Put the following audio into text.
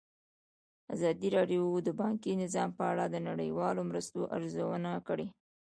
ازادي راډیو د بانکي نظام په اړه د نړیوالو مرستو ارزونه کړې.